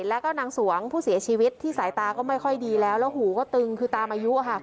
แล้วก็นางสวงผู้เสียชีวิตที่สายตาก็ไม่ค่อยดีแล้วแล้วหูก็ตึงคือตามอายุ